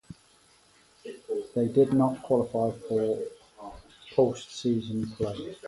They did not qualify for postseason play.